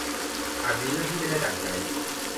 อาจมีเรื่องที่ไม่ได้ดั่งใจ